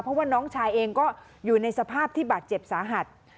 เพราะว่าน้องชายเองก็อยู่ในสภาพที่บาดเจ็บสาหัส